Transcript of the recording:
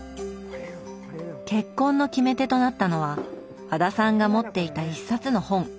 結婚の決め手となったのは和田さんが持っていた一冊の本。